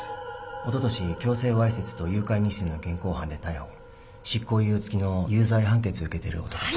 おととし強制わいせつと誘拐未遂の現行犯で逮捕執行猶予付きの有罪判決受けてる男です